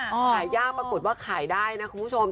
ขายยากปรากฏว่าขายได้นะคุณผู้ชม